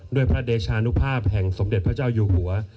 ด้วยพระเดชานุภาพแห่งสมเด็จพระเจ้าอยู่หัว